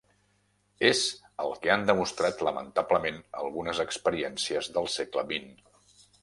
És el que han demostrat lamentablement algunes experiències del segle vint.